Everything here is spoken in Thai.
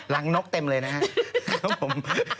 รังนกเต็มเลยนะครับ